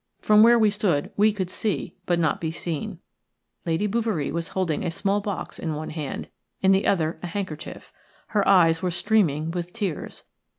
From where we stood we could see but not be seen. Lady Bouverie was holding a small box in one hand, in the other a handkerchief. Her eyes were streaming with tears.